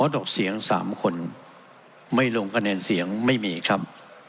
ดอกเสียง๓คนไม่ลงคะแนนเสียงไม่มีครับ